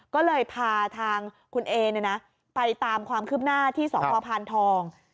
ก็เลยพาทางคุณเอไปตามความคืบหน้าที่สพพานทอง